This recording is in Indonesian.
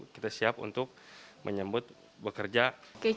kita juga menunggu dan juga menyambut baik ketika memang itu sudah ada dan berlaku